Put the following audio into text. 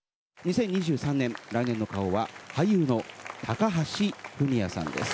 ２０２３年、来年の顔は俳優の高橋文哉さんです。